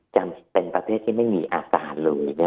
จะเป็นประเภทที่ไม่มีอาการเลย